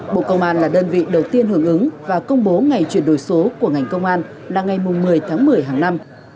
bộ công an là đơn vị đầu tiên hưởng ứng và công bố ngày chuyển đổi số của ngành công an là ngày một mươi tháng một mươi hàng năm